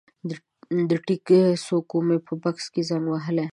د ټیک څوکو مې په بکس کې زنګ وهلی